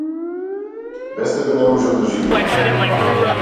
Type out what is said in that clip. Без тебе не можам да живеам.